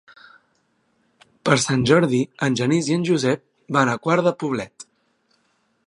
Per Sant Jordi en Genís i en Josep van a Quart de Poblet.